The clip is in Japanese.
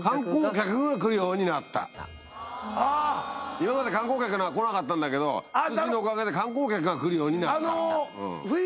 今まで観光客なんか来なかったんだけど羊のおかげで観光客が来るようになったんだ。